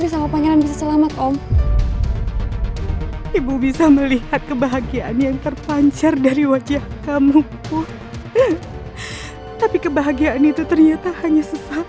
sampai jumpa di video selanjutnya